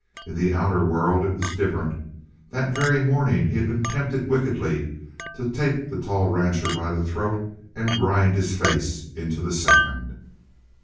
In the outer world it was different. That very morning he had been tempted wickedly to take the tall rancher by the throat and grind his face into the sand.